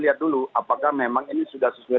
lihat dulu apakah memang ini sudah sesuai